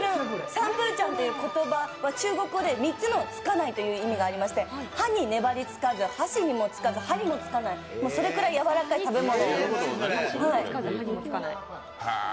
サンプーチャンって言葉は中国語で「３つのつかない」という意味がありまして、歯に粘り着かず、箸にもつかず皿にもつかないそれくらい柔らかい食べ物。